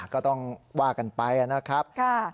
ก็ต้องว่ากันไปนะครับ